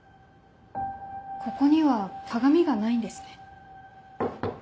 ここには鏡がないんですね。